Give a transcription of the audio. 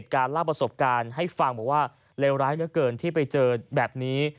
การเล่าประสบการณ์ให้ฟังบอกว่าเลวร้ายเหลือเกินที่ไปเจอแบบนี้